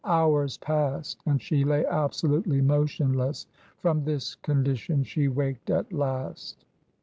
Hours passed, and she lay absolutely motionless. From this condition she waked at last.